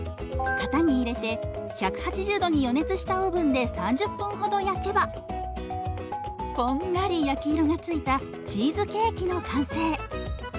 型に入れて１８０度に予熱したオーブンで３０分ほど焼けばこんがり焼き色がついたチーズケーキの完成。